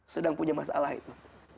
sedang punya masalah itu